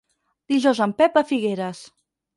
Dijous en Pep va a Figueres.